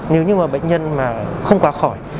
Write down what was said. nếu như mà bệnh nhân mà không qua khỏi